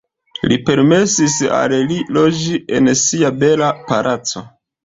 Li permesis al li loĝi en sia bela palaco.